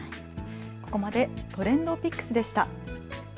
ここまでＴｒｅｎｄＰｉｃｋｓでした。